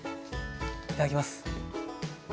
いただきます。